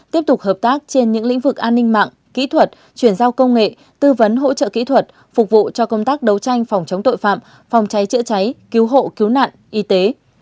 tiếp tục hợp tác trên những lĩnh vực an ninh mạng kỹ thuật chuyển giao công nghệ tư vấn hỗ trợ kỹ thuật phục vụ cho công tác đấu tranh phòng chống tội phạm phòng cháy chữa cháy cứu hộ cứu nạn y tế